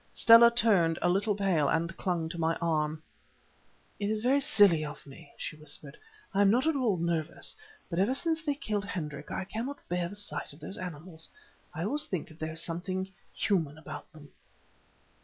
Stella turned a little pale and clung to my arm. "It is very silly of me," she whispered. "I am not at all nervous, but ever since they killed Hendrik I cannot bear the sight of those animals. I always think that there is something human about them."